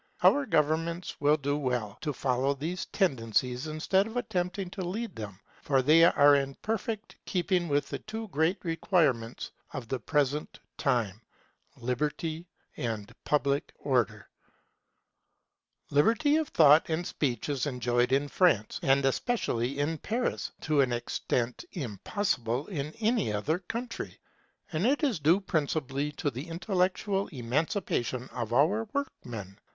Our governors will do well to follow these tendencies instead of attempting to lead them; for they are in perfect keeping with the two great requirements of the present time, Liberty and Public Order. [The working classes are the best guarantee for Liberty and for Order] Liberty of thought and speech is enjoyed in France, and especially in Paris, to an extent impossible in any other country, and it is due principally to the intellectual emancipation of our workmen.